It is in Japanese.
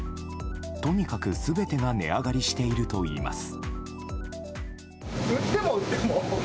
とにかく全てが値上がりしているといいます。